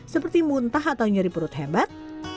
seperti muntah atau nyeri perut hebat